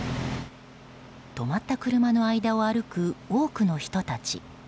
止まった車の間を歩く多くの人たち。